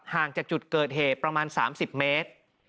ห่างจากจุดเกิดเหตุประมาณ๓๐เมตร